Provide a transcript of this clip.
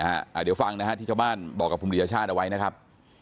อายุ๑๐ปีนะฮะเขาบอกว่าเขาก็เห็นถูกยิงนะครับ